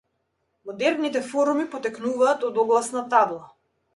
Модерните форуми потекнуваат од огласна табла.